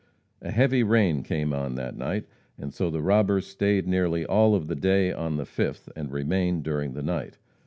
A heavy rain came on that night, and so the robbers stayed nearly all of the day on the 5th, and remained during the night.